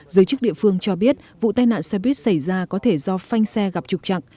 giới chức địa phương cho biết vụ tai nạn xe buýt xảy ra có thể do phanh xe gặp trục chặn